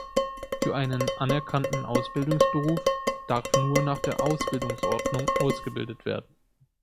Für einen anerkannten Ausbildungsberuf darf nur nach der Ausbildungsordnung ausgebildet werden.